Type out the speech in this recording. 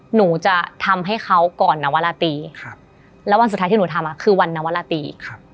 หนูจะทำให้เขาก่อนนวราตรีแล้ววันสุดท้ายที่หนูทำคือวันนวราตรี